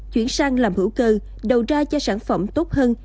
chuyển sang làm hữu cơ đầu ra cho sản phẩm tốt hơn